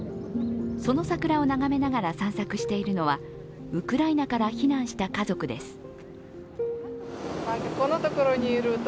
その桜を眺めながら散策しているのはウクライナから避難した家族です。